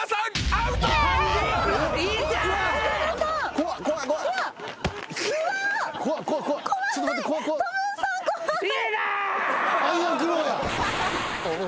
アイアンクローや。